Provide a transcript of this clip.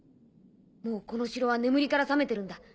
もうこの城は眠りからさめてるんだ。